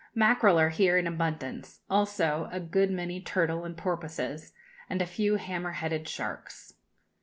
Mackerel are here in abundance, also a good many turtle and porpoises, and a few hammer headed sharks.